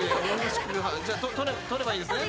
じゃあ撮ればいいですね？